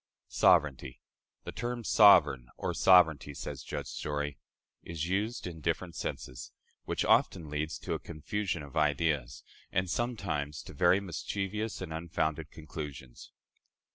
Sovereignty. "The term 'sovereign' or 'sovereignty,'" says Judge Story, "is used in different senses, which often leads to a confusion of ideas, and sometimes to very mischievous and unfounded conclusions."